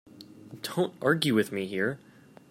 Don't argue with me here.